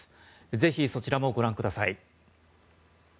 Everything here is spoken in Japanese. ぜひ、そちらもご覧ください。